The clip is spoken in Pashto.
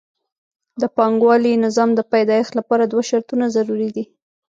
د پانګوالي نظام د پیدایښت لپاره دوه شرطونه ضروري دي